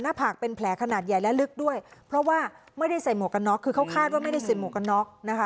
หน้าผากเป็นแผลขนาดใหญ่และลึกด้วยเพราะว่าเค้าคาดว่าไม่ได้ใส่หมวกน็อก